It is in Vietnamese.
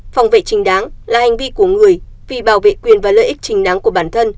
phòng vệ trình đáng là hành vi của người vì bảo vệ quyền và lợi ích chính đáng của bản thân